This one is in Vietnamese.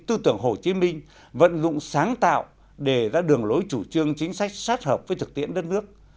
tư tưởng hồ chí minh vận dụng sáng tạo để ra đường lối chủ trương chính sách sát hợp với thực tiễn đất nước